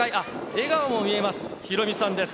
笑顔も見えます、ヒロミさんです。